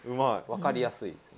分かりやすいです。